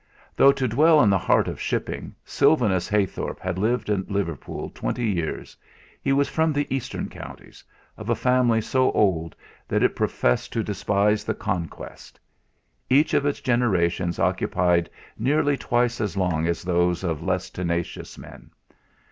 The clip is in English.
Though, to dwell in the heart of shipping, Sylvanus Heythorp had lived at Liverpool twenty years, he was from the Eastern Counties, of a family so old that it professed to despise the Conquest. Each of its generations occupied nearly twice as long as those of less tenacious men.